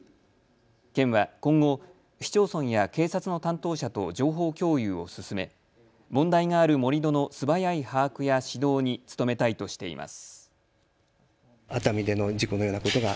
県は今後、市町村や警察の担当者と情報共有を進め問題がある盛り土の素早い把握や指導に努めたいとしています。